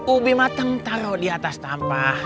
ubi mateng taruh di atas tampah